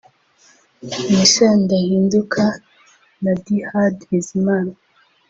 Michel Ndahinduka na Dhihad Bizimana